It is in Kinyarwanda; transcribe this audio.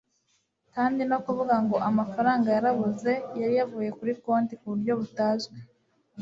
kandi no kuvuga ngo amafaranga yarabuze yari yavuye kuri account kuburyo butazwi